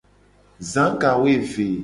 Za gawoeve.